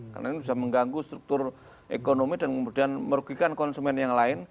karena ini bisa mengganggu struktur ekonomi dan kemudian merugikan konsumen yang lain